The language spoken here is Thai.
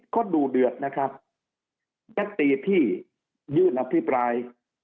ก็ดูเดือดนะครับยัตติที่ยื่นอภิปราย